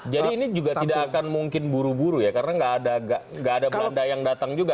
jadi ini juga tidak akan mungkin buru buru ya karena nggak ada belanda yang datang juga